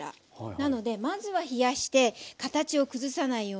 なのでまずは冷やして形を崩さないようにもうクリアな。